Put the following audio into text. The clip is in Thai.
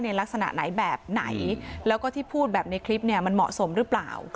ลักษณะไหนแบบไหนแล้วก็ที่พูดแบบในคลิปเนี่ยมันเหมาะสมหรือเปล่า